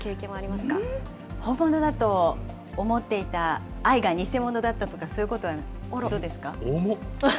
い本物だと思っていた愛が偽物だったとか、そういうことはどうですか。